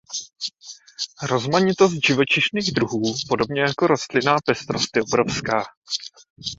Rozmanitost živočišných druhů podobně jako rostlinná pestrost je obrovská.